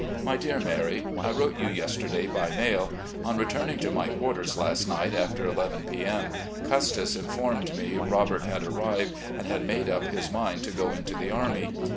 My Dear Mary: I wrote you yesterday by mail. On returning to my quarters last night after ii p. m. Custis informed me Robert had arrived and had made up his mind to go into the army.